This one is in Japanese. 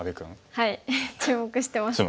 はい注目してます。